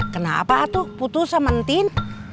kenapa tuh putus sama entin